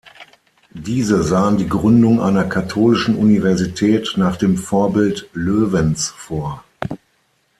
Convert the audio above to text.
Diese sahen die Gründung einer katholischen Universität nach dem Vorbild Löwens vor.